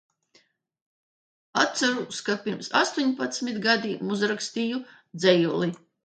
Atceros, ka pirms astoņpadsmit gadiem uzrakstīju dzejoli.